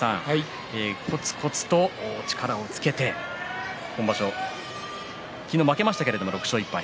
こつこつと力をつけてきて今場所昨日は負けましたけど６勝１敗。